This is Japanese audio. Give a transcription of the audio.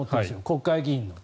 国会議員の。